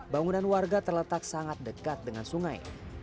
bangunan warga terletak sangat dekat dengan sungai